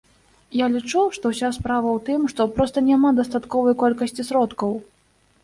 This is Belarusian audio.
Я лічу, што ўся справа ў тым, што проста няма дастатковай колькасці сродкаў.